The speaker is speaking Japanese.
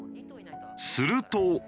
すると。